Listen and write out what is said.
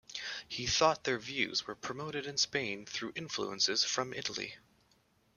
He thought their views were promoted in Spain through influences from Italy.